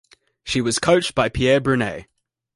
She was coached by Pierre Brunet.